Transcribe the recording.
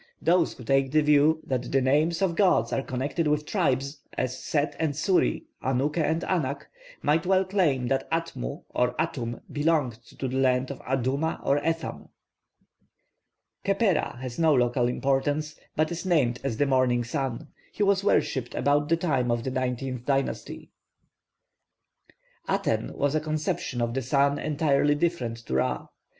Those who take the view that the names of gods are connected with tribes, as Set and Suti, Anuke and Anak, might well claim that Atmu or Atum belonged to the land of Aduma or Etham. +Khepera+ has no local importance, but is named as the morning sun. He was worshipped about the time of the nineteenth dynasty. +Aten+ was a conception of the sun entirely different to Ra.